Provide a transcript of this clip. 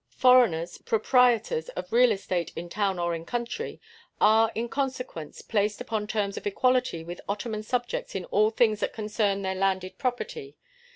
Foreigners, proprietors of real estate in town or in country, are in consequence placed upon terms of equality with Ottoman subjects in all things that concern their landed property.